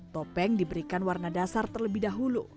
topeng diberikan warna dasar terlebih dahulu